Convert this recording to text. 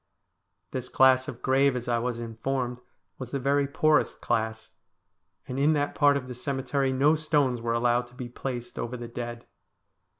This class of grave, as I was informed, was the very poorest class, and in that part of the cemetery no stones were allowed to be placed over the dead.